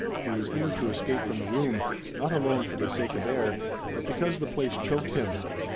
He was eager to escape from the room, not alone for the sake of air, but because the place choked him.